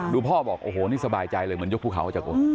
ดูพ่อบอกโอ้โหนี่สบายใจเลยเหมือนยกพู่เขา